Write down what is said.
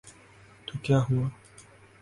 تو کیا ہوا۔